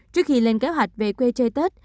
trước khi lên kế hoạch về quê chơi tết